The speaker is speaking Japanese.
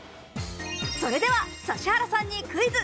それでは指原さんにクイズ。